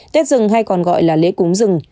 tết rừng hay còn gọi là lễ cúng rừng